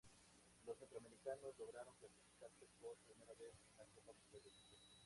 Los centroamericanos lograron clasificarse por primera vez a una Copa Mundial de Fútbol.